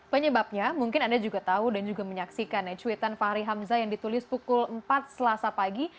penyebabnya mungkin anda juga tahu dan juga menyaksikan cuitan fahri hamzah yang ditulis pukul empat selasa pagi